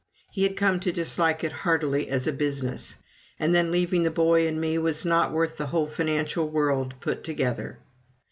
He had come to dislike it heartily as a business; and then, leaving the boy and me was not worth the whole financial world put together.